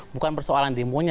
bukan persoalan demo nya